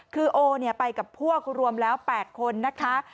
คือโอไปกับพวกรวมแล้ว๘คนนะคะ